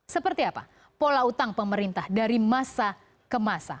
seperti apa pola utang pemerintah dari masa ke masa